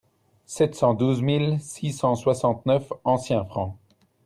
Sept cent douze mille six cent soixante-neuf anciens francs.